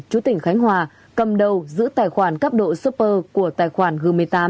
chú tỉnh khánh hòa cầm đầu giữ tài khoản cấp độ super của tài khoản g một mươi tám